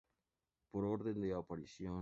Por orden de aparición.